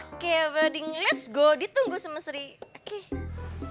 oke broding let's go ditunggu semestri oke